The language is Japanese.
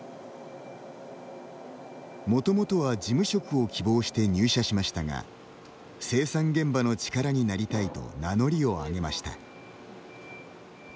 もともとは事務職を希望して入社しましたが生産現場の力になりたいと名乗りを上げました。